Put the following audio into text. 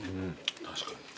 確かに。